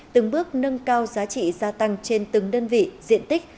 từng bước nâng cao giá trị gia tăng trên từng đơn vị diện tích